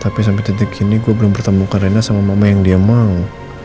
tapi sampe titik ini gue belum bertemukan rena sama mama yang dia mang